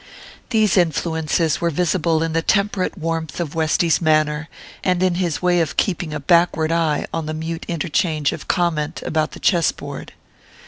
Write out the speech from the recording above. These influences were visible in the temperate warmth of Westy's manner, and in his way of keeping a backward eye on the mute interchange of comment about the chess board.